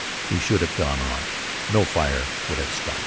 We should have gone on no fire would have stopped us.